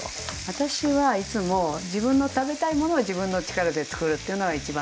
私はいつも自分の食べたいものを自分の力でつくるっていうのが一番の基本。